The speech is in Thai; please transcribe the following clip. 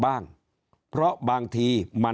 ตัวเลขการแพร่กระจายในต่างจังหวัดมีอัตราที่สูงขึ้น